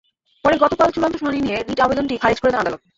পরে গতকাল চূড়ান্ত শুনানি নিয়ে রিট আবেদনটি খারিজ করে দেন আদালত।